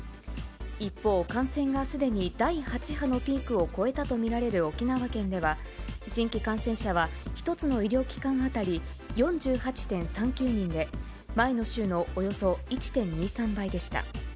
一方、感染がすでに第８波のピークを越えたと見られる沖縄県では、新規感染者は１つの医療機関当たり４８．３９人で、前の週のおよそ１．２３倍でした。